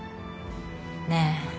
ねえ。